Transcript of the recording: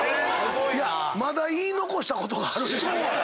まだ言い残したことがある言うて。